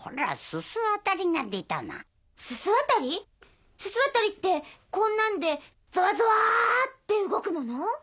ススワタリってこんなんでゾワゾワって動くもの？